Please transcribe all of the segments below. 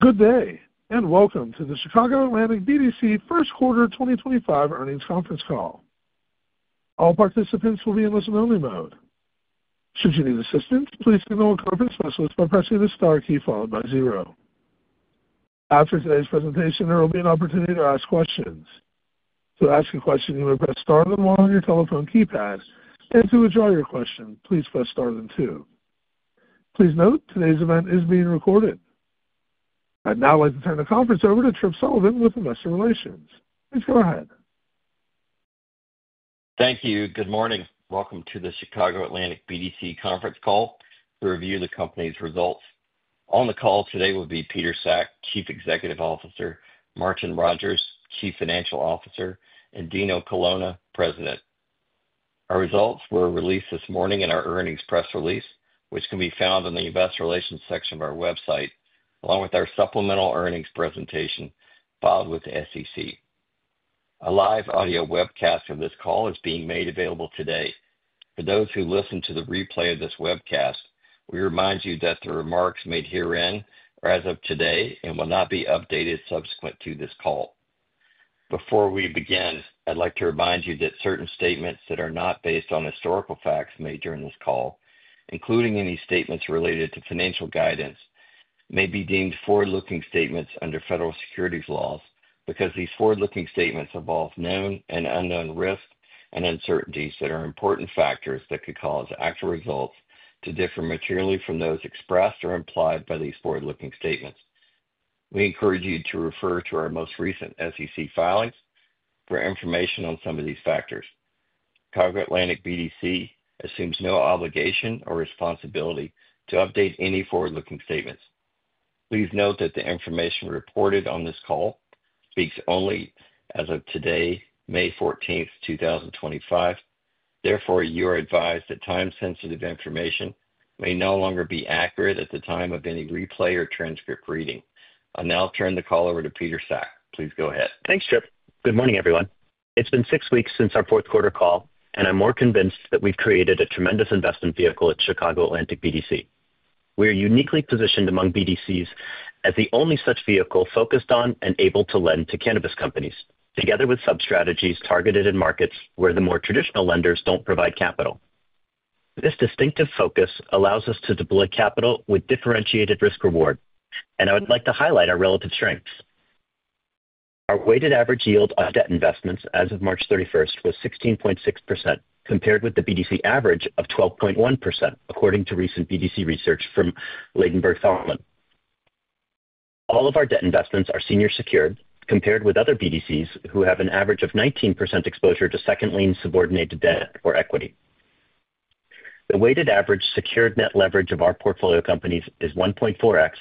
Good day, and welcome to the Chicago Atlantic BDC First Quarter 2025 earnings conference call. All participants will be in listen-only mode. Should you need assistance, please call the conference specialist by pressing the star key followed by zero. After today's presentation, there will be an opportunity to ask questions. To ask a question, you may press star then one on your telephone keypad, and to withdraw your question, please press star then two. Please note, today's event is being recorded. I'd now like to turn the conference over to Tripp Sullivan with Investor Relations. Please go ahead. Thank you. Good morning. Welcome to the Chicago Atlantic BDC conference call to review the company's results. On the call today will be Peter Sack, Chief Executive Officer; Martin Rodgers, Chief Financial Officer; and Dino Colonna, President. Our results were released this morning in our earnings press release, which can be found in the Investor Relations section of our website, along with our supplemental earnings presentation filed with the SEC. A live audio webcast of this call is being made available today. For those who listen to the replay of this webcast, we remind you that the remarks made herein are as of today and will not be updated subsequent to this call. Before we begin, I'd like to remind you that certain statements that are not based on historical facts made during this call, including any statements related to financial guidance, may be deemed forward-looking statements under federal securities laws because these forward-looking statements involve known and unknown risks and uncertainties that are important factors that could cause actual results to differ materially from those expressed or implied by these forward-looking statements. We encourage you to refer to our most recent SEC filings for information on some of these factors. Chicago Atlantic BDC assumes no obligation or responsibility to update any forward-looking statements. Please note that the information reported on this call speaks only as of today, May 14th, 2025. Therefore, you are advised that time-sensitive information may no longer be accurate at the time of any replay or transcript reading. I'll now turn the call over to Peter Sack. Please go ahead. Thanks, Tripp. Good morning, everyone. It's been six weeks since our fourth quarter call, and I'm more convinced that we've created a tremendous investment vehicle at Chicago Atlantic BDC. We are uniquely positioned among BDCs as the only such vehicle focused on and able to lend to cannabis companies, together with sub-strategies targeted in markets where the more traditional lenders don't provide capital. This distinctive focus allows us to deploy capital with differentiated risk-reward, and I would like to highlight our relative strengths. Our weighted average yield on debt investments as of March 31 was 16.6%, compared with the BDC average of 12.1%, according to recent BDC research from Levfinberg Thalman. All of our debt investments are senior secured, compared with other BDCs who have an average of 19% exposure to second-line subordinated debt or equity. The weighted average secured net leverage of our portfolio companies is 1.4X,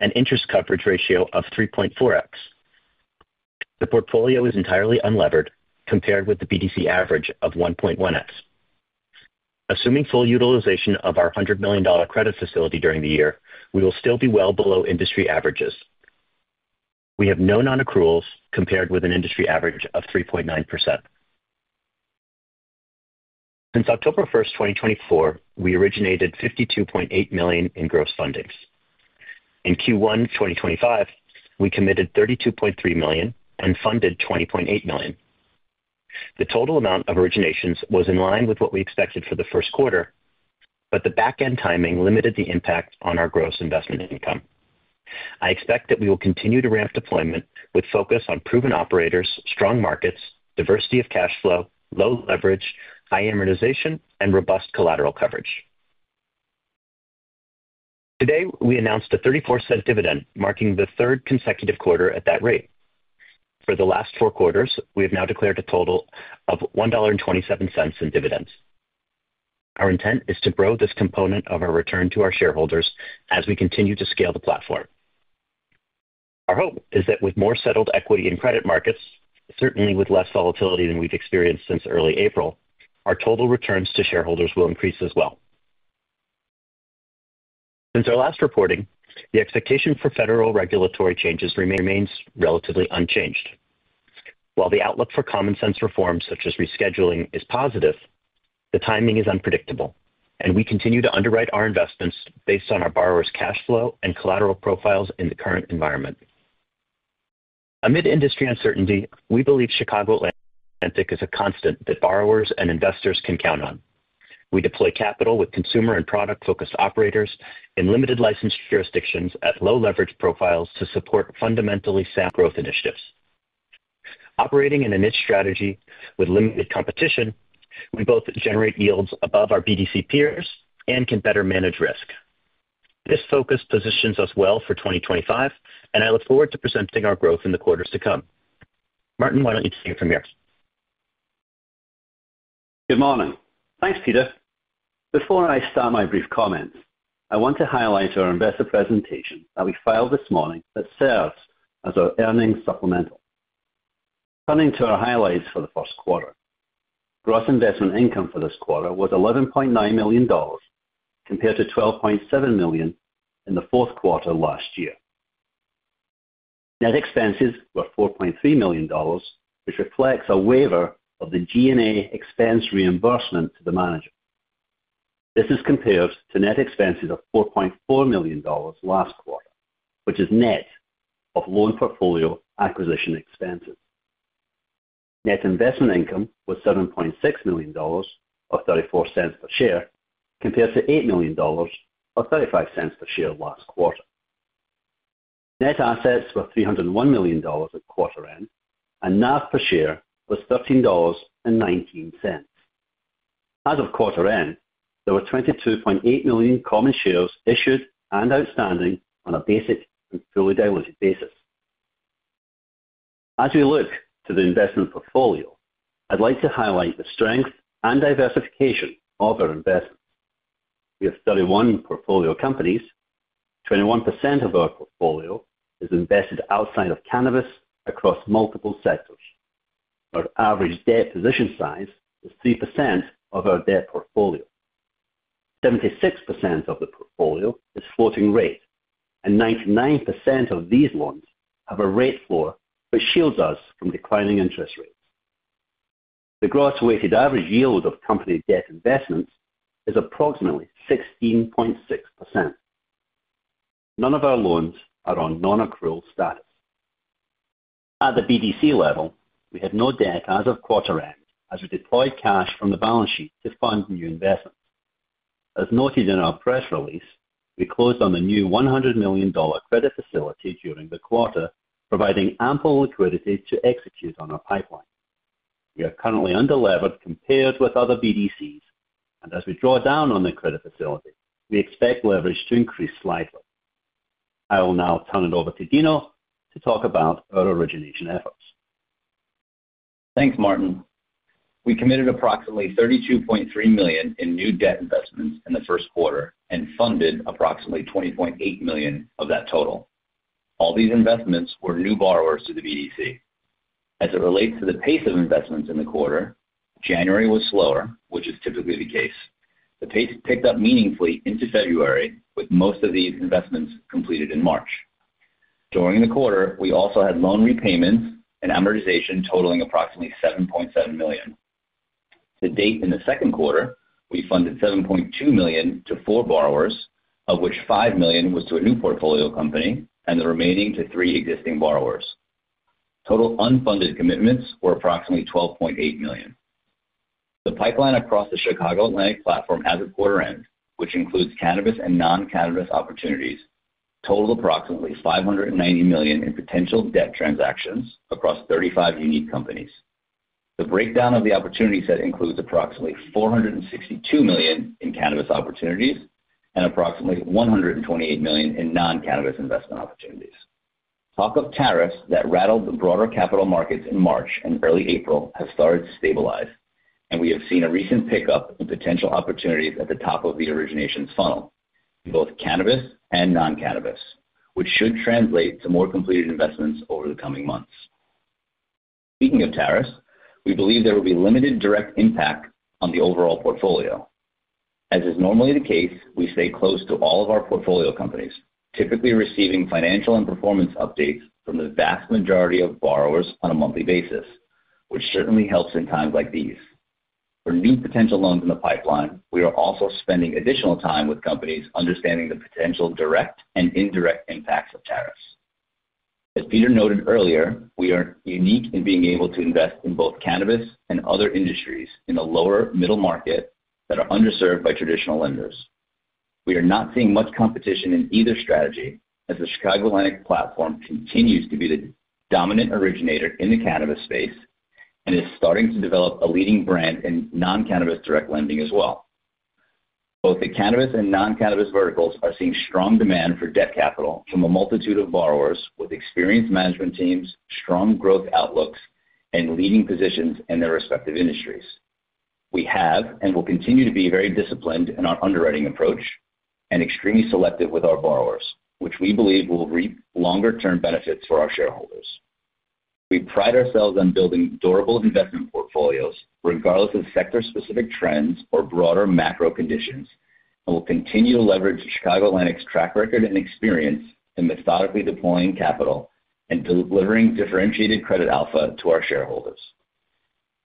an interest coverage ratio of 3.4X. The portfolio is entirely unlevered, compared with the BDC average of 1.1X. Assuming full utilization of our $100 million credit facility during the year, we will still be well below industry averages. We have no non-accruals compared with an industry average of 3.9%. Since October 1, 2024, we originated $52.8 million in gross fundings. In Q1, 2025, we committed $32.3 million and funded $20.8 million. The total amount of originations was in line with what we expected for the first quarter, but the back-end timing limited the impact on our gross investment income. I expect that we will continue to ramp deployment with focus on proven operators, strong markets, diversity of cash flow, low leverage, high amortization, and robust collateral coverage. Today, we announced a $0.34 dividend, marking the third consecutive quarter at that rate. For the last four quarters, we have now declared a total of $1.27 in dividends. Our intent is to grow this component of our return to our shareholders as we continue to scale the platform. Our hope is that with more settled equity in credit markets, certainly with less volatility than we've experienced since early April, our total returns to shareholders will increase as well. Since our last reporting, the expectation for federal regulatory changes remains relatively unchanged. While the outlook for common-sense reforms such as rescheduling is positive, the timing is unpredictable, and we continue to underwrite our investments based on our borrowers' cash flow and collateral profiles in the current environment. Amid industry uncertainty, we believe Chicago Atlantic BDC is a constant that borrowers and investors can count on. We deploy capital with consumer and product-focused operators in limited-licensed jurisdictions at low-leverage profiles to support fundamentally sound growth initiatives. Operating in a niche strategy with limited competition, we both generate yields above our BDC peers and can better manage risk. This focus positions us well for 2025, and I look forward to presenting our growth in the quarters to come. Martin, why don't you take it from here? Good morning. Thanks, Peter. Before I start my brief comments, I want to highlight our investor presentation that we filed this morning that serves as our earnings supplemental. Turning to our highlights for the first quarter, gross investment income for this quarter was $11.9 million, compared to $12.7 million in the fourth quarter last year. Net expenses were $4.3 million, which reflects a waiver of the G&A expense reimbursement to the manager. This is compared to net expenses of $4.4 million last quarter, which is net of loan portfolio acquisition expenses. Net investment income was $7.6 million or $0.34 per share, compared to $8 million or $0.35 per share last quarter. Net assets were $301 million at quarter-end, and NAV per share was $13.19. As of quarter-end, there were 22.8 million common shares issued and outstanding on a basic and fully diluted basis. As we look to the investment portfolio, I'd like to highlight the strength and diversification of our investments. We have 31 portfolio companies. 21% of our portfolio is invested outside of cannabis across multiple sectors. Our average debt position size is 3% of our debt portfolio. 76% of the portfolio is floating rate, and 99% of these loans have a rate floor which shields us from declining interest rates. The gross weighted average yield of company debt investments is approximately 16.6%. None of our loans are on non-accrual status. At the BDC level, we have no debt as of quarter-end as we deployed cash from the balance sheet to fund new investments. As noted in our press release, we closed on a new $100 million credit facility during the quarter, providing ample liquidity to execute on our pipeline. We are currently underlevered compared with other BDCs, and as we draw down on the credit facility, we expect leverage to increase slightly. I will now turn it over to Dino to talk about our origination efforts. Thanks, Martin. We committed approximately $32.3 million in new debt investments in the first quarter and funded approximately $20.8 million of that total. All these investments were new borrowers to the BDC. As it relates to the pace of investments in the quarter, January was slower, which is typically the case. The pace picked up meaningfully into February, with most of these investments completed in March. During the quarter, we also had loan repayments and amortization totaling approximately $7.7 million. To date in the second quarter, we funded $7.2 million to four borrowers, of which $5 million was to a new portfolio company and the remaining to three existing borrowers. Total unfunded commitments were approximately $12.8 million. The pipeline across the Chicago Atlantic platform as of quarter-end, which includes cannabis and non-cannabis opportunities, totaled approximately $590 million in potential debt transactions across 35 unique companies. The breakdown of the opportunity set includes approximately $462 million in cannabis opportunities and approximately $128 million in non-cannabis investment opportunities. Talk of tariffs that rattled the broader capital markets in March and early April have started to stabilize, and we have seen a recent pickup in potential opportunities at the top of the originations funnel, both cannabis and non-cannabis, which should translate to more completed investments over the coming months. Speaking of tariffs, we believe there will be limited direct impact on the overall portfolio. As is normally the case, we stay close to all of our portfolio companies, typically receiving financial and performance updates from the vast majority of borrowers on a monthly basis, which certainly helps in times like these. For new potential loans in the pipeline, we are also spending additional time with companies understanding the potential direct and indirect impacts of tariffs. As Peter noted earlier, we are unique in being able to invest in both cannabis and other industries in a lower middle market that are underserved by traditional lenders. We are not seeing much competition in either strategy as the Chicago Atlantic platform continues to be the dominant originator in the cannabis space and is starting to develop a leading brand in non-cannabis direct lending as well. Both the cannabis and non-cannabis verticals are seeing strong demand for debt capital from a multitude of borrowers with experienced management teams, strong growth outlooks, and leading positions in their respective industries. We have and will continue to be very disciplined in our underwriting approach and extremely selective with our borrowers, which we believe will reap longer-term benefits for our shareholders. We pride ourselves on building durable investment portfolios regardless of sector-specific trends or broader macro conditions and will continue to leverage Chicago Atlantic's track record and experience in methodically deploying capital and delivering differentiated credit alpha to our shareholders.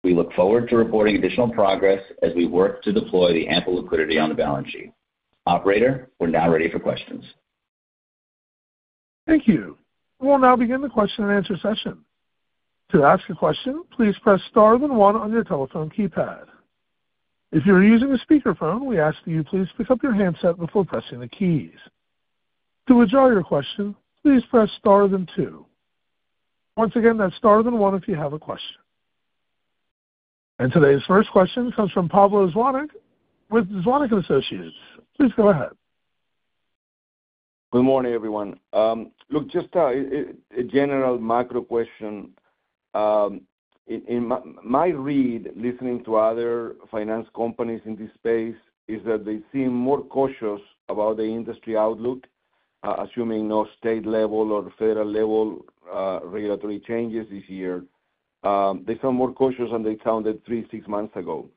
We look forward to reporting additional progress as we work to deploy the ample liquidity on the balance sheet. Operator, we're now ready for questions. Thank you. We'll now begin the question-and-answer session. To ask a question, please press star then one on your telephone keypad. If you're using a speakerphone, we ask that you please pick up your handset before pressing the keys. To withdraw your question, please press star then two. Once again, that's star then one if you have a question. Today's first question comes from Pablo Zuwanich with Zuwanich & Associates. Please go ahead. Good morning, everyone. Look, just a general macro question. In my read, listening to other finance companies in this space, is that they seem more cautious about the industry outlook, assuming no state-level or federal-level regulatory changes this year. They sound more cautious than they sounded three, six months ago.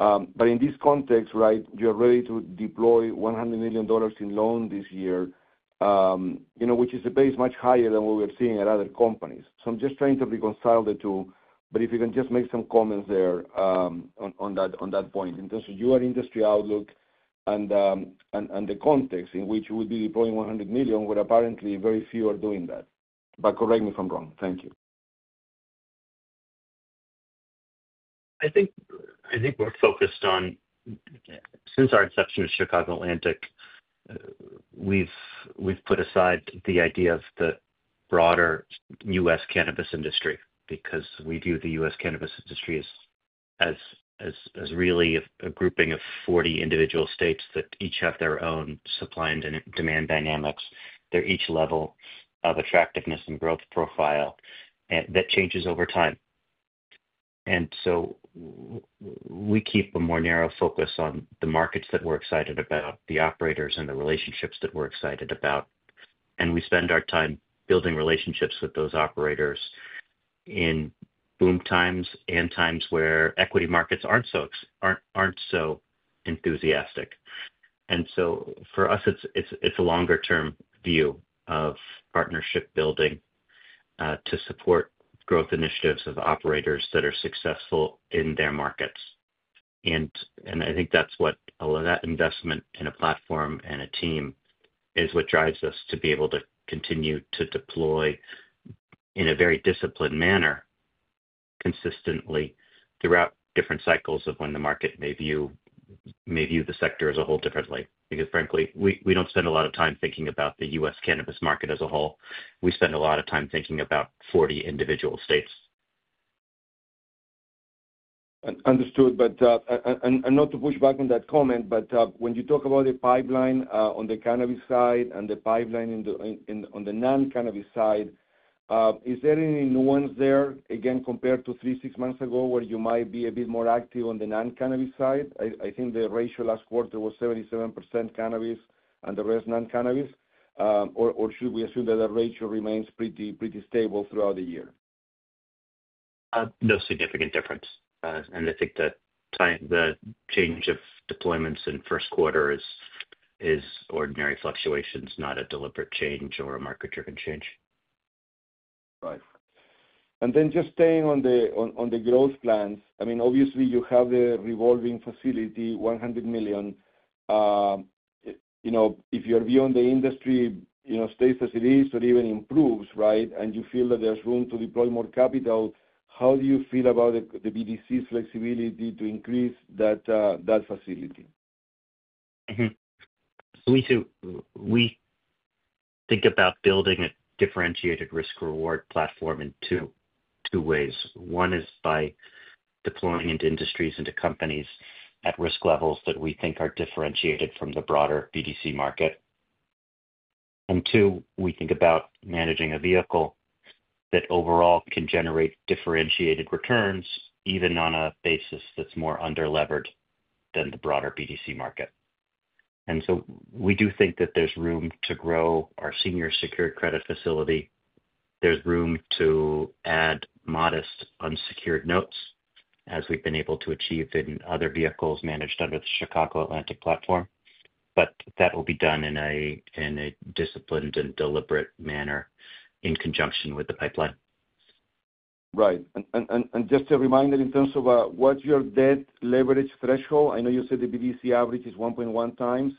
In this context, right, you're ready to deploy $100 million in loans this year, which is a base much higher than what we're seeing at other companies. I'm just trying to reconcile the two, if you can just make some comments there on that point. In terms of your industry outlook and the context in which you would be deploying $100 million, where apparently very few are doing that. Correct me if I'm wrong. Thank you. I think we're focused on, since our inception at Chicago Atlantic, we've put aside the idea of the broader U.S. cannabis industry because we view the U.S. cannabis industry as really a grouping of 40 individual states that each have their own supply and demand dynamics at each level of attractiveness and growth profile that changes over time. We keep a more narrow focus on the markets that we're excited about, the operators and the relationships that we're excited about, and we spend our time building relationships with those operators in boom times and times where equity markets aren't so enthusiastic. For us, it's a longer-term view of partnership building to support growth initiatives of operators that are successful in their markets. I think that's what a lot of that investment in a platform and a team is what drives us to be able to continue to deploy in a very disciplined manner consistently throughout different cycles of when the market may view the sector as a whole differently because, frankly, we don't spend a lot of time thinking about the U.S. cannabis market as a whole. We spend a lot of time thinking about 40 individual states. Understood. Not to push back on that comment, but when you talk about the pipeline on the cannabis side and the pipeline on the non-cannabis side, is there any nuance there, again, compared to three, six months ago where you might be a bit more active on the non-cannabis side? I think the ratio last quarter was 77% cannabis and the rest non-cannabis. Should we assume that that ratio remains pretty stable throughout the year? No significant difference. I think the change of deployments in first quarter is ordinary fluctuations, not a deliberate change or a market-driven change. Right. And then just staying on the growth plans, I mean, obviously, you have the revolving facility, $100 million. If you're viewing the industry stays as it is or even improves, right, and you feel that there's room to deploy more capital, how do you feel about the BDC's flexibility to increase that facility? We think about building a differentiated risk-reward platform in two ways. One is by deploying into industries and to companies at risk levels that we think are differentiated from the broader BDC market. Two, we think about managing a vehicle that overall can generate differentiated returns even on a basis that is more under levered than the broader BDC market. We do think that there is room to grow our senior secured credit facility. There is room to add modest unsecured notes as we have been able to achieve in other vehicles managed under the Chicago Atlantic platform, but that will be done in a disciplined and deliberate manner in conjunction with the pipeline. Right. And just a reminder, in terms of what's your debt leverage threshold? I know you said the BDC average is 1.1 times.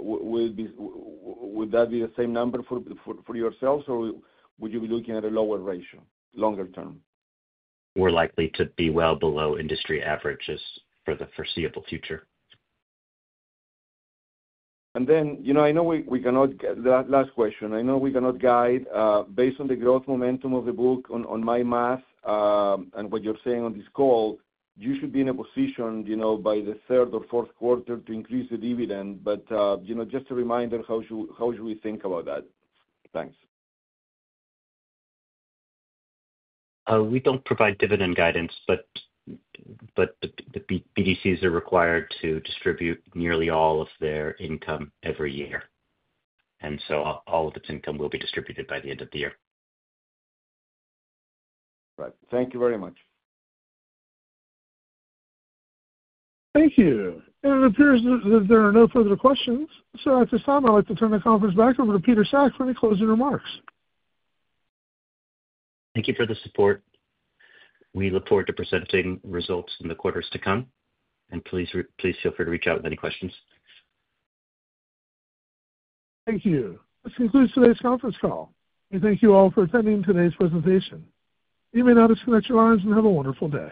Would that be the same number for yourselves, or would you be looking at a lower ratio, longer term? We're likely to be well below industry averages for the foreseeable future. I know we cannot—last question. I know we cannot guide. Based on the growth momentum of the book, on my math and what you're saying on this call, you should be in a position by the third or fourth quarter to increase the dividend. Just a reminder, how should we think about that? Thanks. We don't provide dividend guidance, but the BDCs are required to distribute nearly all of their income every year. All of its income will be distributed by the end of the year. Right. Thank you very much. Thank you. It appears that there are no further questions. At this time, I'd like to turn the conference back over to Peter Sack for any closing remarks. Thank you for the support. We look forward to presenting results in the quarters to come. Please feel free to reach out with any questions. Thank you. This concludes today's conference call. We thank you all for attending today's presentation. You may now disconnect your lines and have a wonderful day.